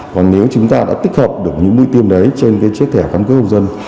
còn nếu chúng ta đã tích hợp được những mũi tiêm đấy trên cái chiếc thẻ căn cước công dân